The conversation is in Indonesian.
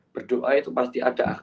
berdoa itu pasti ada